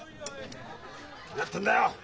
何やってんだよ？